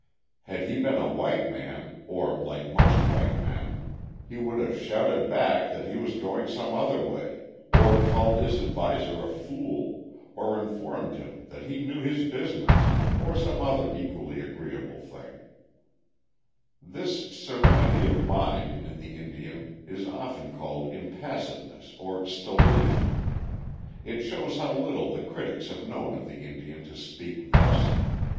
Had he been a white man or like most white men he would have shouted back that he was going some other way, or called his adviser a fool, or informed him that he knew his business, or some other equally agreeable thing. [Illustration: IN THE BOATS, IN THE RAIN, ON OUR WAY TO THE SALTON SEA.] This serenity of mind in the Indian is often called impassiveness or stolidity. It shows how little the critics have known of the Indian to speak thus.